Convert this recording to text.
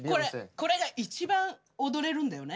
これが一番踊れるんだよね。